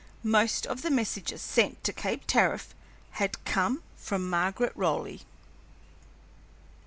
Most of the messages sent to Cape Tariff had come from Margaret Raleigh.